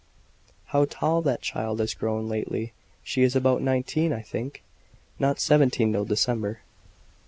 "How tall that child has grown lately! She is about nineteen, I think?" "Not seventeen till December."